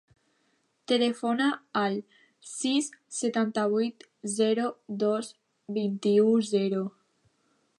Telefona al sis, setanta-vuit, zero, dos, vint-i-u, zero.